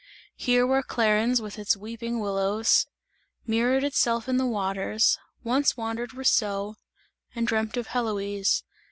Here, where Clarens with its weeping willows, mirrored itself in the waters, once wandered Rousseau and dreamt of Heloïse.